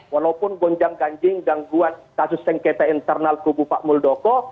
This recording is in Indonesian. walaupun gonjang ganjing gangguan kasus sengketa internal kubu pak muldoko